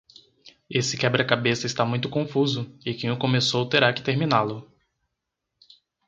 Esse quebra-cabeça está muito confuso e quem o começou terá que terminá-lo